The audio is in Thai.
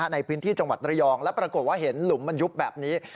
ในพื้นที่จังหวัดระยองแล้วปรากฏว่าเห็นหลุมมันยุบแบบนี้